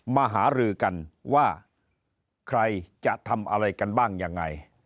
มาหารือกันว่าใครจะทำอะไรกันบ้างยังไง